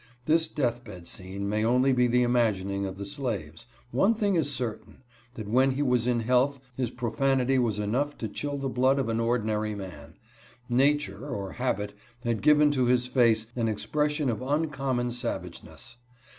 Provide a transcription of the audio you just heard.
This death bed scene may only be the im agining of the slaves. One thing is certain, that when he was in health his profanity was enough to chill the blood of an ordinary man. Nature, or habit, had given to his face an expression of uncommon savageness.